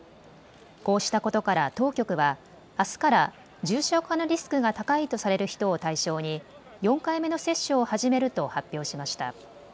こうしたことから当局はあすから重症化のリスクが高いとされる人を対象に４回目の接種を始めると発表しました。